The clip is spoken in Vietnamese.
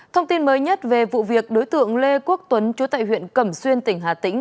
thông tin mới nhất về vụ việc đối tượng lê quốc tuấn chú tại huyện cẩm xuyên tỉnh hà tĩnh